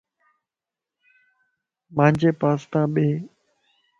مانجي پاستان ٻي